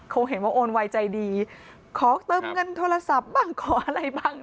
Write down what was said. คงเห็นว่าโอนไวใจดีขอเติมเงินโทรศัพท์บ้างขออะไรบ้าง